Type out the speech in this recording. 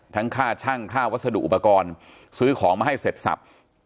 ค่าช่างค่าวัสดุอุปกรณ์ซื้อของมาให้เสร็จสับ